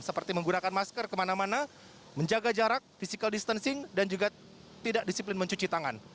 seperti menggunakan masker kemana mana menjaga jarak physical distancing dan juga tidak disiplin mencuci tangan